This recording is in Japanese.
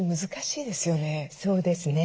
そうですね。